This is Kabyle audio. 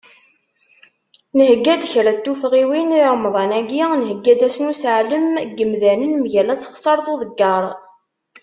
Nhegga-d kra n tufɣiwin, di Remḍa-agi, nhegga-d ass n useɛlem i yimdanen mgal asexser d uḍegger.